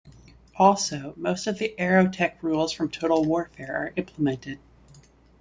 Also, most of the "AeroTech" rules from "Total Warfare" are implemented.